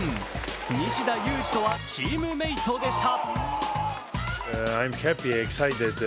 西田有志とはチームメートでした。